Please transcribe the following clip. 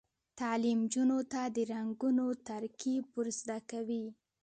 تعلیم نجونو ته د رنګونو ترکیب ور زده کوي.